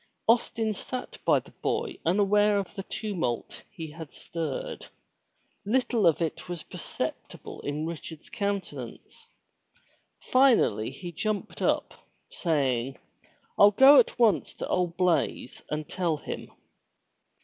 Austin sat by the boy unaware of the tumult he had stirred. Little of it was perceptible in Richard's countenance. Finally he jumped up, saying: " Fll go at once to old Blaize and tell him.'